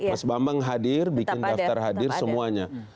mas bambang hadir bikin daftar hadir semuanya